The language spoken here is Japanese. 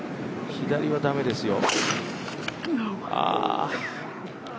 左は駄目ですよ。